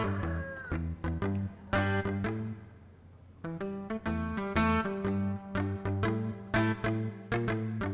assalamualaikum kang imin